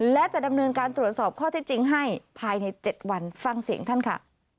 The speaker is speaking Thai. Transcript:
และจะดำเนินการตรวจสอบข้อที่จริงให้ภายใน๗วันฟังเสียงท่านค่ะ